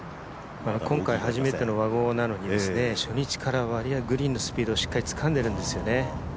今回初めての和合なんですが、初日から、グリーンのスピードをつかんでいるんですね。